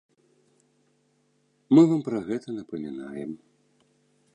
Мы вам пра гэта напамінаем.